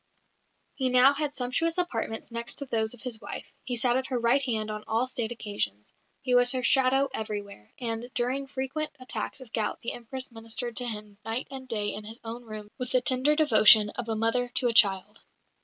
He now had sumptuous apartments next to those of his wife; he sat at her right hand on all State occasions; he was her shadow everywhere; and during his frequent attacks of gout the Empress ministered to him night and day in his own rooms with the tender devotion of a mother to a child.